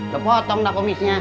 lu potong dah komisnya